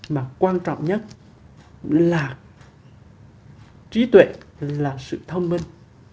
mà quan trọng nhất là trí tuệ là sự thông minh